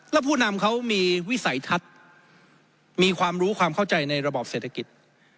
แล้วผู้นำเขามีวิสัยทัศน์มีความรู้ความเข้าใจในระบอบเศรษฐกิจ